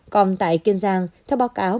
còn tại kiên giang theo báo cáo